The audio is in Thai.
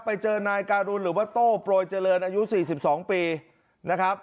ไปเจอนายการุณหรือว่าโต้โปรยเจริญอายุ๔๒ปีนะครับ